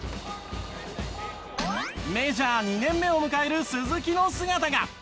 メジャー２年目を迎える鈴木の姿が。